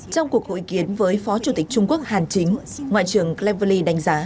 trong cuộc hội kiến với phó chủ tịch trung quốc hàn chính ngoại trưởng cleverley đánh giá